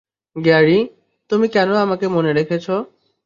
Gary, তুমি কেন আমাকে মনে রেখেছ?